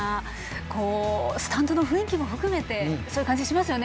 スタンドの雰囲気も含めてそんな感じしますよね。